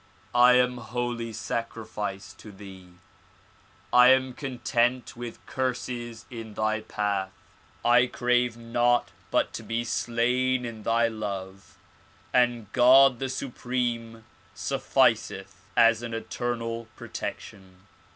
I am wholly sacrificed to thee ; I am content with curses in thy path ; I crave nought but to be slain in thy love ; and God the Supreme sufficeth as an eternal protection."